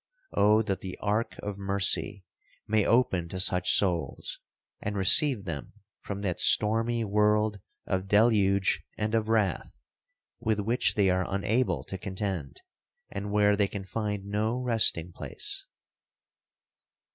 Oh that the ark of mercy may open to such souls, and receive them from that stormy world of deluge and of wrath, with which they are unable to contend, and where they can find no resting place!